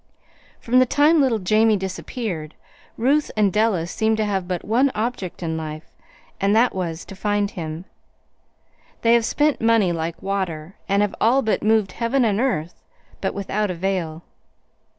"From the time little Jamie disappeared, Ruth and Della seemed to have but one object in life, and that was to find him. They have spent money like water, and have all but moved heaven and earth; but without avail.